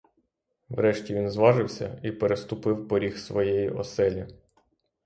Врешті він зважився і переступив поріг своєї оселі.